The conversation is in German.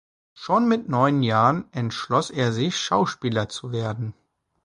Schon mit neun Jahren entschloss er sich, Schauspieler zu werden.